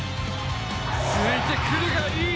ついてくるがいい！